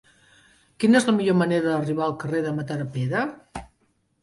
Quina és la millor manera d'arribar al carrer de Matadepera?